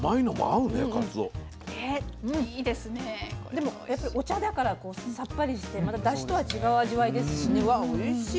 でもやっぱりお茶だからこうさっぱりしてまたダシとは違う味わいですしねわっおいしい！